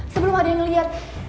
sebelum ada yang ngelihat